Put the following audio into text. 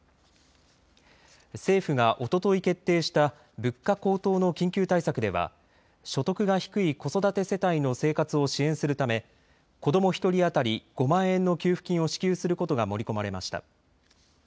政府がおととい決定した物価高騰の緊急対策では所得が低い子育て世帯の生活を支援するため子ども１人当たり５万円の給付金を支給することが盛り込まれました。